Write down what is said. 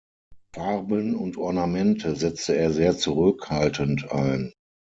Farben und Ornamente setzte er sehr zurückhaltend ein.